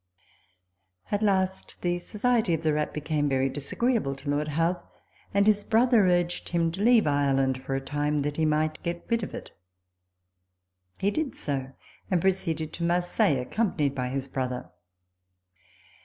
At last the society of the rat became very disagreeable to Lord Howth ; and his brother urged him to leave Ireland for a time, that he might get rid of it. He did so, and proceeded to Marseilles, accom panied by his brother.